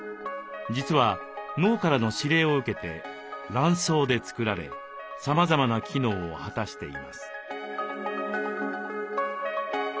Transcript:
実は脳からの指令を受けて卵巣で作られさまざまな機能を果たしています。